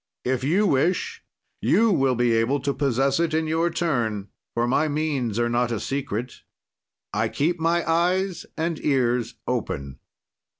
"If you wish, you will be able to possess it in your turn, for my means are not a secret. "'I keep my eyes and ears open.'